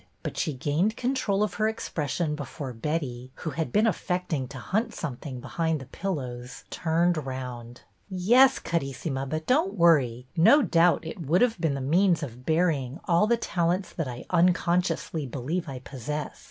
But she gained control of her expression before Betty, who had been af fecting to hunt something behind the pillows, turned round. Yes, Carissima, but don't worry. No doubt it would have been the means of burying all the talents that I ' unconsciously ' believe I possess.